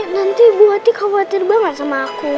nanti bu ati khawatir banget sama aku